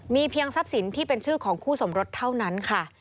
มีเพียงทรัพย์สินที่เป็นชื่อของคู่สมรสเท่านั้นค่ะ